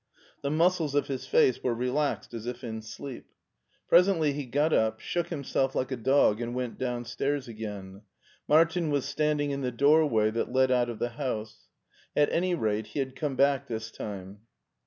The muscles of his face were relaxed as if in sleep. Presently he got up, shook himself like a dog, and went downstairs again. Martin was staiiding in the doorway that led out of the house. At any rate he had come back this time.